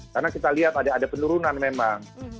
karena kita lihat ada penurunan memang